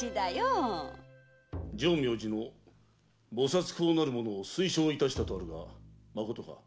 浄明寺の菩薩講なるものを推奨いたしたとあるがまことか。